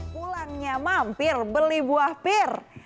pulangnya mampir beli buah pir